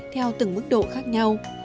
theo từng mức độ khác nhau